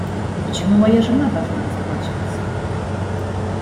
Почему моя жена должна расплачиваться?